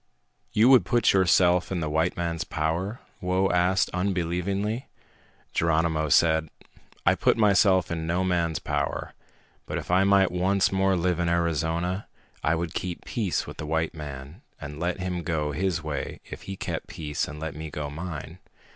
"You would put yourself in the white man's power?" Whoa asked unbelievingly. Geronimo said, "I put myself in no man's power. But if I might once more live in Arizona, I would keep peace with the white man and let him go his way if he kept peace and let me go mine."